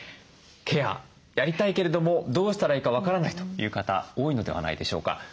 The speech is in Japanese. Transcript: ケアやりたいけれどもどうしたらいいか分からないという方多いのではないでしょうか。